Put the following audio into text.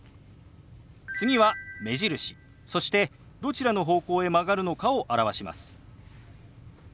次は目印そしてどちらの方向へ曲がるのかを表します。